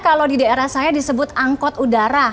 kalau di daerah saya disebut angkot udara